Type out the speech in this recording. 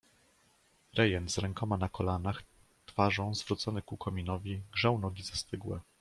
"Rejent, z rękoma na kolanach, twarzą, zwrócony ku kominowi, grzał nogi zastygłe."